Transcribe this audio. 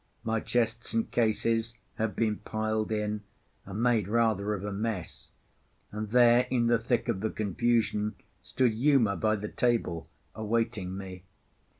My chests and cases had been piled in, and made rather of a mess; and there, in the thick of the confusion, stood Uma by the table, awaiting me.